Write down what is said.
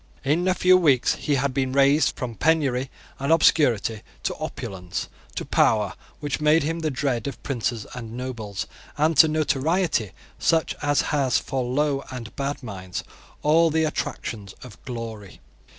In a few weeks he had been raised from penury and obscurity to opulence, to power which made him the dread of princes and nobles, and to notoriety such as has for low and bad minds all the attractions of glory.